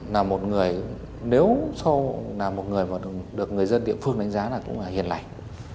là một người nếu sau là một người mà được người dân địa phương đánh giá là cũng là hiền lành